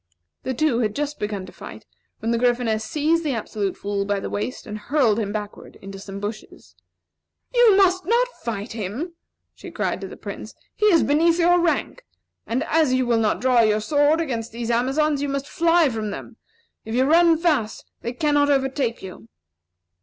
The two had just begun to fight when the Gryphoness seized the Absolute Fool by the waist and hurled him backward into some bushes. "You must not fight him!" she cried to the Prince. "He is beneath your rank! And as you will not draw your sword against these Amazons you must fly from them. If you run fast they cannot overtake you."